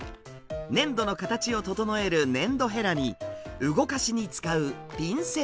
粘土の形を整える粘土ヘラに動かしに使うピンセット。